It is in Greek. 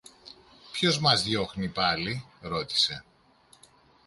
Ποιος μας διώχνει πάλι; ρώτησε.